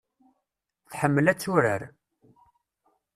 Tḥemmel ad turar.